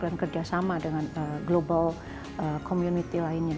dan kerjasama dengan global community lainnya